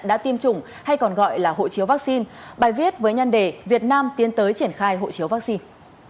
đã tiêm chủng hay còn gọi là hộ chiếu vaccine bài viết với nhân đề việt nam tiến tới triển khai hộ chiếu vaccine